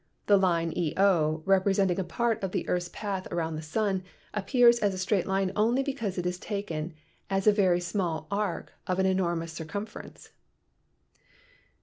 The line EO, representing a part of the earth's path around the sun, appears as a straight line only because it is taken as a very small arc of an enormous circumference.